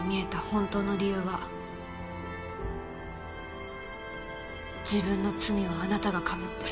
本当の理由は自分の罪をあなたがかぶって。